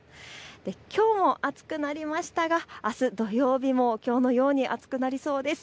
きょうも暑くなりましたがあす土曜日もきょうのように暑くなりそうです。